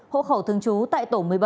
hộ khẩu thương chú tại tổ một mươi bảy